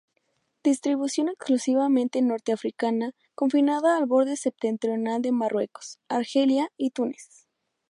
Distribución exclusivamente norteafricana, confinada al borde septentrional de Marruecos, Argelia y Túnez.